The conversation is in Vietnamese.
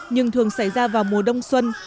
nhưng thường xảy ra vào mùa đông xuân